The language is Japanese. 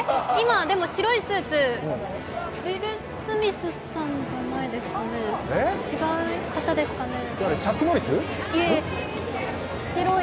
今、白いスーツ、ウィル・スミスさんじゃないですかね、違う方ですか？